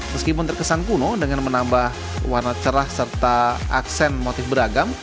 meskipun terkesan kuno dengan menambah warna cerah serta aksen motif beragam